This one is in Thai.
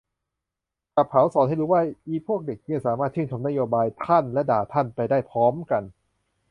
คลับเฮ้าส์สอนให้รูว่า อิพวกเด็กเหี้ยสามารถชื่นชมนโยบายทั่นและด่าท่านไปได้พร้อมกัน